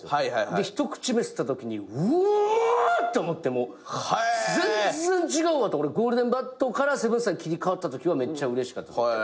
で一口目吸ったときにうま！って思って全然違うわって俺ゴールデンバットからセブンスターに切り替わったときはめっちゃうれしかった。